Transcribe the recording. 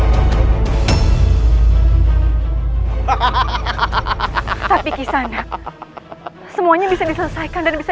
hahaha tapi kisahnya semuanya bisa diselesaikan dan bisa